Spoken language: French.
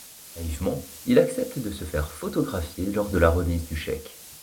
Naïvement il accepte de se faire photographier lors de la remise du chèque.